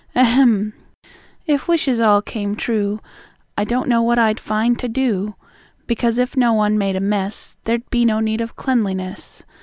Ahem! If wishes all came true, I don't know what I'd find to do, Because if no one made a mess There'd be no need of cleanliness.